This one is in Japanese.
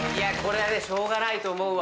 しょうがないと思うわ。